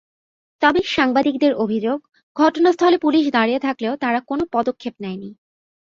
তবে সাংবাদিকদের অভিযোগ, ঘটনাস্থলে পুলিশ দাঁড়িয়ে থাকলেও তারা কোনো পদক্ষেপ নেয়নি।